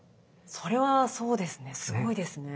それはそうですね。